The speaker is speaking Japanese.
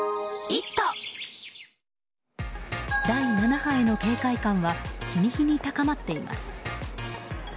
第７波への警戒感は日に日に高まっています。